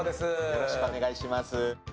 よろしくお願いします。